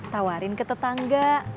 tawarin ke tetangga